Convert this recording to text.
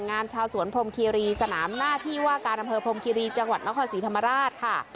งานชาวสวนพรมคีรีสนามหน้าที่ว่าการอำเภอพรมคีรีจังหวัดนครศรีธรรมราชค่ะ